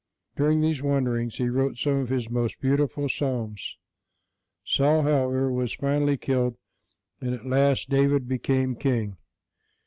During these wanderings, he wrote some of his most beautiful psalms. Saul, however, was finally killed, and at last David became king.